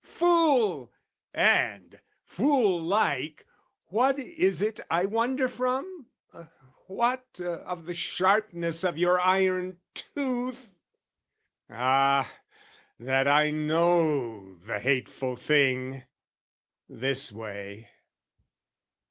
Fool! And, fool like, what is it I wander from? What, of the sharpness of your iron tooth? Ah, that I know the hateful thing: this way.